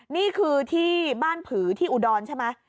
นี่คือที่บ้านผือที่อุดรใช่ไหม